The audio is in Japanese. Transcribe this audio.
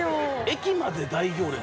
駅まで大行列？